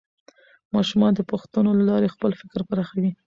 ماشومان د پوښتنو له لارې خپل فکر پراخوي